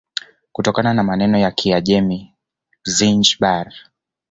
Kutokana na maneno ya Kiajem Zinjibar